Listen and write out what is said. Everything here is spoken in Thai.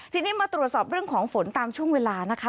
ทีนี้มาตรวจสอบเรื่องของฝนตามช่วงเวลานะคะ